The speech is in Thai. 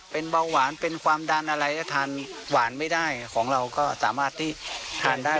เป็นเบาหวานเป็นความดันอะไรจะทานหวานไม่ได้ของเราก็สามารถที่ทานได้